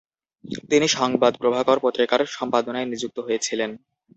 তিনি সংবাদ প্রভাকর পত্রিকার সম্পাদনায় নিযুক্ত হয়েছিলেন।